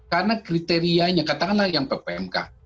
karena kriterianya katakanlah yang ppmk